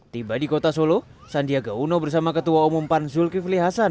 tiba di kota solo sandiaga uno bersama ketua umum pan zulkifli hasan